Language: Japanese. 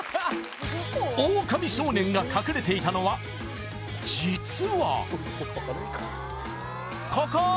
オオカミ少年が隠れていたのは実はここー！